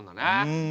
うん。